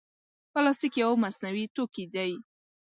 پلاستيک یو مصنوعي توکي دی.